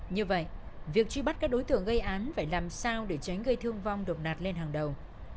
như vậy việc truy bắt các đối tượng gây án phải làm sao để tránh gây thương vong được nạt lên hàng đầu